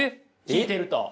聞いてると。